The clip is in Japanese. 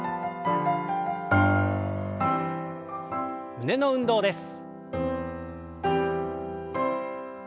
胸の運動です。